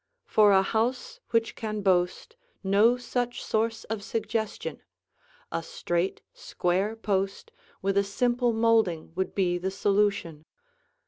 For a house which can boast no such source of suggestion, a straight, square post with a simple molding would be the solution.